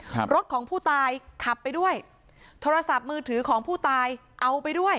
รถของผู้ตายขับไปด้วยโทรศัพท์มือถือของผู้ตายเอาไปด้วย